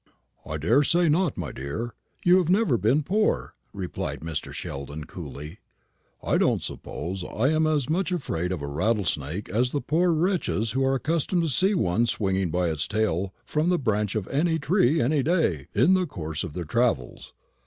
"I daresay not, my dear. You have never been poor," replied Mr. Sheldon, coolly. "I don't suppose I am as much afraid of a rattlesnake as the poor wretches who are accustomed to see one swinging by his tail from the branch of a tree any day in the course of their travels.